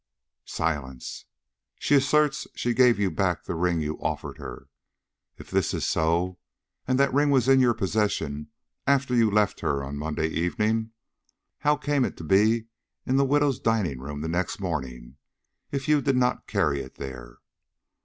Silence. "She asserts she gave you back the ring you offered her. If this is so, and that ring was in your possession after you left her on Monday evening, how came it to be in the widow's dining room the next morning, if you did not carry it there?"